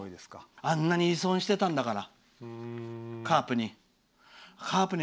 あんなに依存してたんだからカープに。